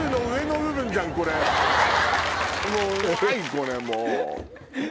これもう。